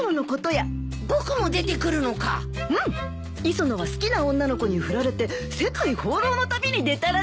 磯野は好きな女の子にふられて世界放浪の旅に出たらしい。